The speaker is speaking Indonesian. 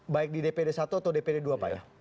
baik di dpd satu atau dpd dua pak ya